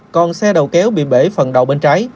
còn xe đầu kéo bị bể phần đầu bên trái